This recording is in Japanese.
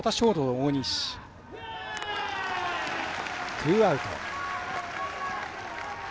ツーアウト。